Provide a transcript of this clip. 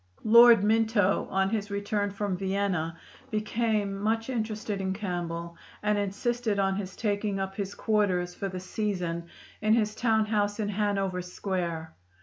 Lord Minto, on his return from Vienna, became much interested in Campbell and insisted on his taking up his quarters for the season in his town house in Hanover Square.